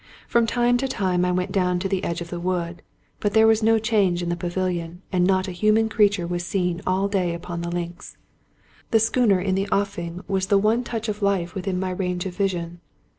From time to* time I went down to the edge of the wood ; but there was no change in the pavilion, and not a human creature was seen all day upon the links. The schooner ia the ofiing was i6i Scotch Mystery Stories the one touch of life within my range of vision.